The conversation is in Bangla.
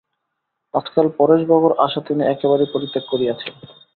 আজকাল পরেশবাবুর আশা তিনি একেবারেই পরিত্যাগ করিয়াছেন।